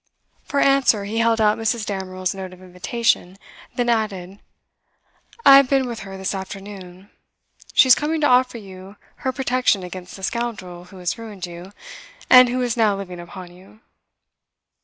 For answer he held out Mrs. Damerel's note of invitation, then added: 'I have been with her this afternoon. She is coming to offer you her protection against the scoundrel who has ruined you, and who is now living upon you.